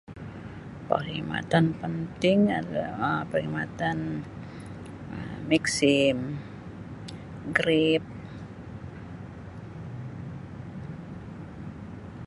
Parkhidmatan penting [unintelligible] perkhidmatan um maxim grab.